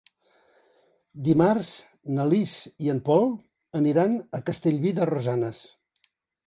Dimarts na Lis i en Pol aniran a Castellví de Rosanes.